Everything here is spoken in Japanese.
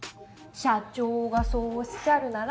社長がそうおっしゃるなら。